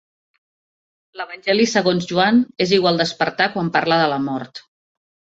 L'Evangeli segons Joan és igual d'espartà quan parla de la mort.